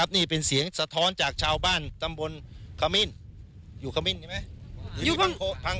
บริเวณของอ่างเก็บน้ำและพื้นที่ใกล้เคียง